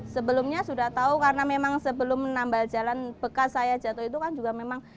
sebelumnya sudah tahu karena memang sebelum menambal jalan bekas saya jatuh itu kan juga memang